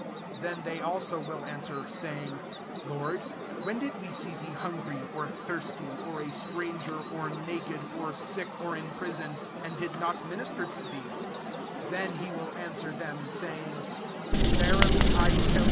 44 "Then they also will answer, saying, * Lord, when did we see thee hungry, or thirsty, or a stranger, or naked, or sick, or in prison, and did not minister to thee V 45 Then he will an swer tliem, saying, 'Verily I tell you.